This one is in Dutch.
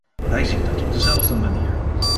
Wij zien dat op dezelfde manier.